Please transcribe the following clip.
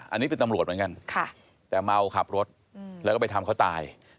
อันนี้เป็นตำรวจเหมือนกันแต่เมาขับรถแล้วก็ไปทำเขาตาย